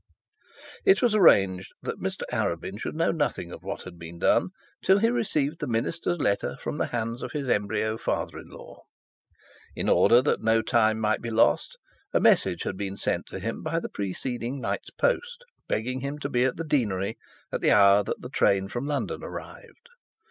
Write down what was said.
It was arranged that Mr Arabin should know nothing of what had been done till he received the minister's letter from the hands of his embryo father in law. In order that no time be lost, a message had been sent to him by the preceding night's post, begging him to be at the deanery at the hour that the train from London arrived.